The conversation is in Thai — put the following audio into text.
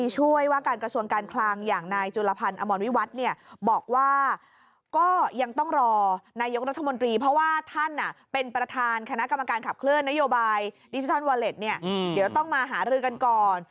จับเคลื่อนนโยบายดิจิทัลโวเล็ตเนี่ยเดี๋ยวต้องมาหารือกันก่อน